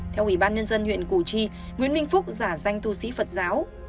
theo ủy ban nhân dân huyện củ chi nguyễn minh phúc giả danh thu sĩ phật giáo